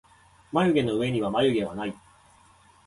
まゆげのうえにはまゆげはない